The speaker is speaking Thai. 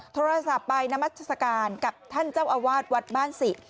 โทรศัพท์ไปนามัศกาลกับท่านเจ้าอาวาสวัดบ้านศิ